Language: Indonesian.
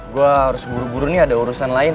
gue harus buru buru nih ada urusan lain